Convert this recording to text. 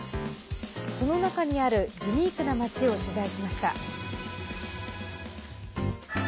その中にあるユニークな街を取材しました。